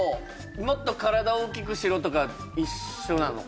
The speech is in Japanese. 「もっと体大きくしろ」とか一緒なのかな